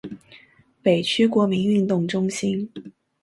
北区国民运动中心